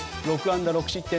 ６安打６失点。